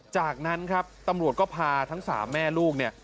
จากนั้นครับตำรวจก็พาทั้ง๓แม่ลูกเนี่ย